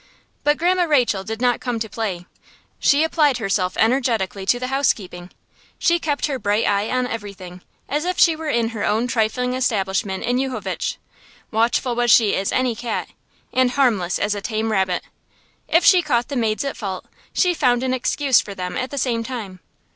But Grandma Rachel did not come to play. She applied herself energetically to the housekeeping. She kept her bright eye on everything, as if she were in her own trifling establishment in Yuchovitch. Watchful was she as any cat and harmless as a tame rabbit. If she caught the maids at fault, she found an excuse for them at the same time.